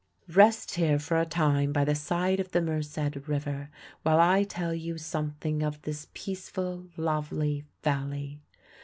Rest here for a time by the side of the Merced River while I tell you something of this peaceful, lovely valley.